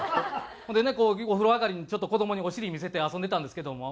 ほんでねお風呂上がりにちょっと子どもにお尻見せて遊んでたんですけども。